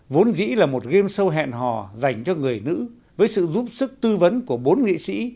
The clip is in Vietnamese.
vốn dĩ là một game show hẹn hò dành cho người nữ với sự giúp sức tư vấn của bốn nghị sĩ